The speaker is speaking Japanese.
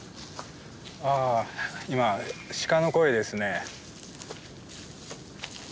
ああ今鹿の声ですね。